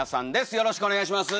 よろしくお願いします。